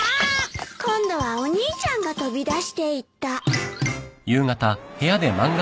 今度はお兄ちゃんが飛び出していった。